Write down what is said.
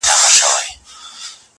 په اولس کي به دي ږغ «منظورومه »!.